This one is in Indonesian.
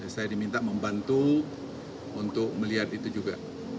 saya diminta membantu untuk melihat itu juga